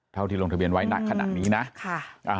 เท่าที่ลงทะเบียนไว้หนักขนาดนี้นะ